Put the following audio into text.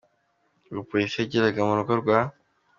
Ubwo Polisi yageraga mu rugo rwa R.